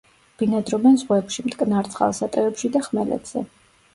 ბინადრობენ ზღვებში, მტკნარ წყალსატევებში და ხმელეთზე.